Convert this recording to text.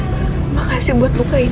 terima kasih buat buka ini